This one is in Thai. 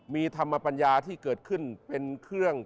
มีธรรมปัญญาที่เกิดขึ้นเป็นเครื่อง